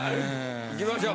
いきましょう。